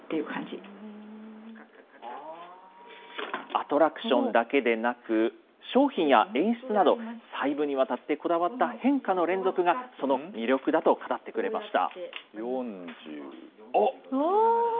アトラクションだけでなく、商品や演出など、細部にわたってこだわった変化の連続が、その魅力だと語ってくれました。